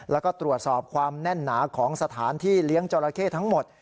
แล้วก็ตรวจสอบความแน่นหนาของสถานที่เลี้ยงจราเข้ทั้งหมด